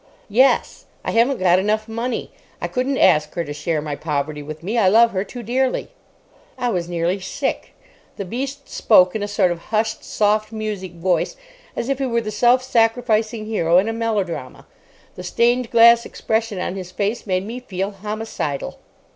"Yes. I haven't got enough money. I couldn't ask her to share my poverty with me. I love her too dearly." I was nearly sick. The beast spoke in a sort of hushed, soft music voice as if he were the self sacrificing hero in a melodrama. The stained glass expression on his face made me feel homicidal.